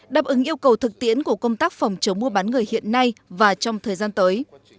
đáp ứng yêu cầu thực tiễn của công tác phòng chống mua bán người hiện nay và trong thời gian tới